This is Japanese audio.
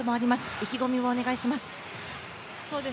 意気込みをお願いします。